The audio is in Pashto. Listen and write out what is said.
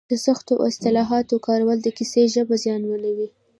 د سختو اصطلاحاتو کارول د کیسې ژبه زیانمنوي.